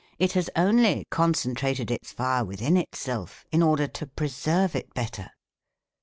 It has only concentrated its fire within itself in order to preserve it better.